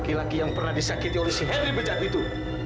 laki laki yang pernah disakiti oleh si heli becak itu